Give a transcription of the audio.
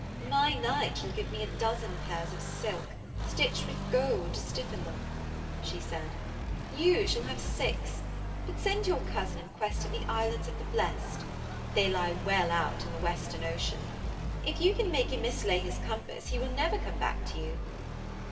'My knight shall give me a dozen pairs of silk, stitched with gold to stiffen them,' she said. 'You shall have six; but send your cousin in quest of the Islands of the Blest. They lie well out in the Western Ocean. If you can make him mislay his compass he will never come back to you.'